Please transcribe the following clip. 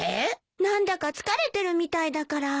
何だか疲れてるみたいだから。